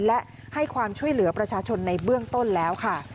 และให้ความช่วยเหลือประชาชนในเบื้องต้นแล้วค่ะ